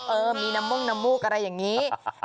เออมีมุ่งมุกอะไรอย่างนี้